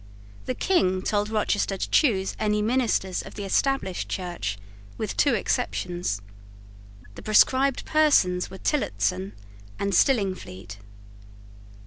The King told Rochester to choose any ministers of the Established Church, with two exceptions. The proscribed persons were Tillotson and Stillingfleet.